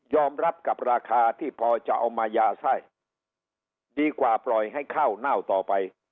รับกับราคาที่พอจะเอามายาไส้ดีกว่าปล่อยให้ข้าวเน่าต่อไป